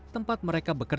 tempat mereka berkutuk